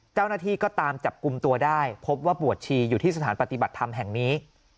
เจ้าหน้าที่ก็ตามจับกลุ่มตัวได้พบว่าบวชชีอยู่ที่สถานปฏิบัติธรรมแห่งนี้